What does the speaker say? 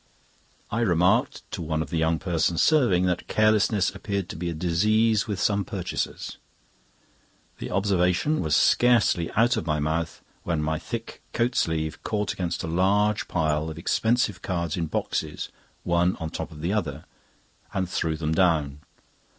I remarked to one of the young persons serving, that carelessness appeared to be a disease with some purchasers. The observation was scarcely out of my mouth, when my thick coat sleeve caught against a large pile of expensive cards in boxes one on top of the other, and threw them down.